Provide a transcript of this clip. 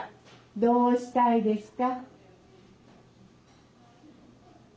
どうしたいですか？